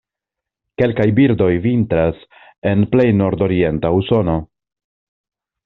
Kelkaj birdoj vintras en plej nordorienta Usono.